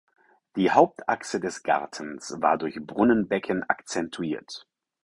Die Hauptachse des Gartens war durch Brunnenbecken akzentuiert.